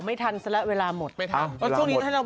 พี่หนุ่มก็รู้จัก